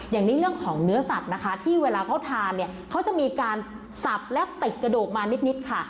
อย่างนี้เรื่องของเนื้อสัตว์นะคะที่เวลาเขาทานเนี่ยเขาจะมีการสับและติดกระดูกมานิดค่ะ